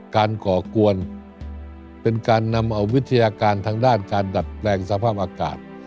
ก่อกวนเป็นการนำเอาวิทยาการทางด้านการดัดแปลงสภาพอากาศ